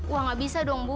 wah gak bisa dong bu